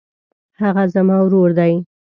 هغه زما ورور دی.